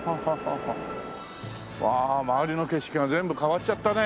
わあ周りの景色が全部変わっちゃったね。